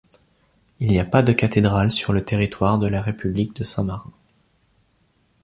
Il n'y a pas de cathédrale sur le territoire de la République de Saint-Marin.